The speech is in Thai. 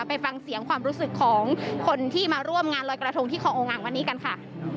ไปฟังเสียงความรู้สึกของคนที่มาร่วมงานลอยกระทงที่คอโองังวันนี้กันค่ะ